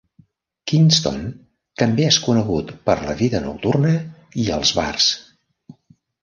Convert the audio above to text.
Kingston també és conegut per la vida nocturna i els bars.